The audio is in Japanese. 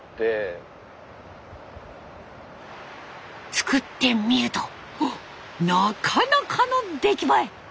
作ってみるとなかなかの出来栄え！